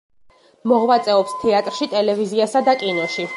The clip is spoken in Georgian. მოღვაწეობს თეატრში, ტელევიზიასა და კინოში.